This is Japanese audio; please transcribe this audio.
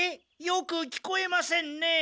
よく聞こえませんね！